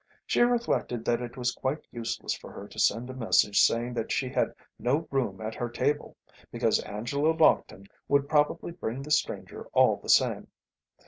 She reflected that it was quite useless for her to send a message saying that she had no room at her table, because Angela Lockton would probably bring the stranger all the same.